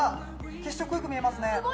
血色よく見えますね